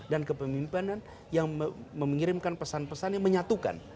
dan kepemimpinan yang mengirimkan pesan pesan yang menyatukan